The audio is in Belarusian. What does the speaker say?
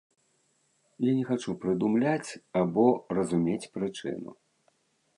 Я не хачу прыдумляць або разумець прычыну.